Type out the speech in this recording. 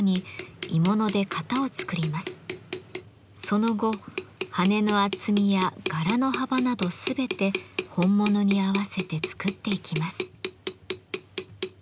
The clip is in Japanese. その後羽の厚みや柄の幅など全て本物に合わせて作っていきます。